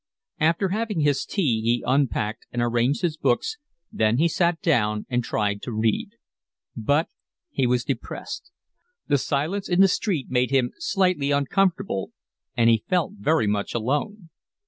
After having his tea he unpacked and arranged his books, then he sat down and tried to read; but he was depressed. The silence in the street made him slightly uncomfortable, and he felt very much alone.